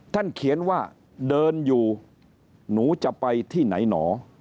เขียนว่าเดินอยู่หนูจะไปที่ไหนหนอ